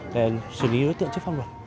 để xử lý đối tượng trước pháp luật